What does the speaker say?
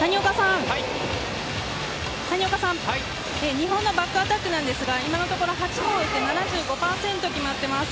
日本のバックアタックなんですが今のところ８本打って７５％決まっています。